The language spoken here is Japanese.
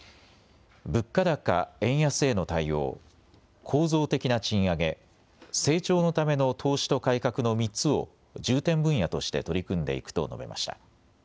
物価高・円安への対応、構造的な賃上げ、成長のための投資と改革の３つを重点分野として取り組んでいくと述べました。